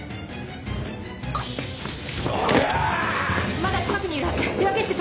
まだ近くにいるはず！